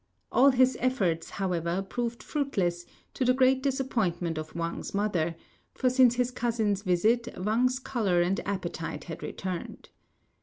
All his efforts, however, proved fruitless, to the great disappointment of Wang's mother; for since his cousin's visit Wang's colour and appetite had returned.